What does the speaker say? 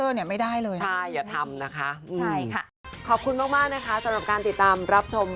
อย่าไปทำนะเพราะว่าแนบ